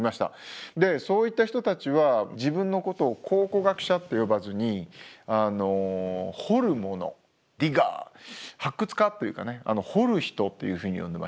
でそういった人たちは自分のことを考古学者と呼ばずに掘る者ディガー発掘家というかね掘る人というふうに呼んでました。